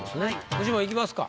フジモンいきますか？